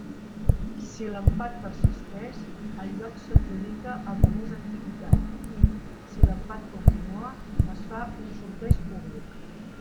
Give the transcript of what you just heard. Si l'empat persisteix, el lloc s'adjudica al de més antiguitat i, si l'empat continua, es fa un sorteig públic.